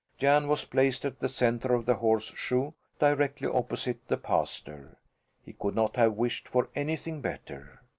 Jan was placed at the centre of the horseshoe, directly opposite the pastor. He could not have wished for anything better.